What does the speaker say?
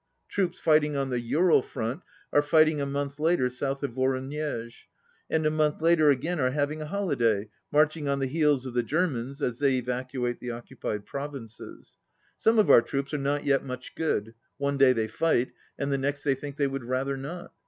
Troops fighting on the Ural front are fight ing a month later south of Voronezh, and a month later again are having a holiday, marching on the heels of the Germans as they evacuate the occu pied provinces. Some of our troops are not yet much good. One day they fight, and the next they think they would rather not.